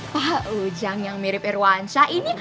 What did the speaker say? pak ujang yang mirip irwansyah ini